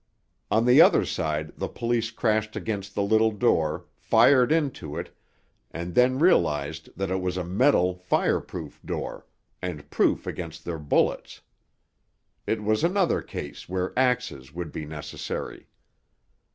On the other side the police crashed against the little door, fired into it, and then realized that it was a metal, fireproof door, and proof against their bullets. It was another case where axes would be necessary.